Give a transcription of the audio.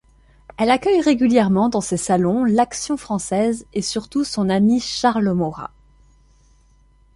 Elle accueille réguilèrement dans ses salons l'Action française et surtout son ami Charles Maurras.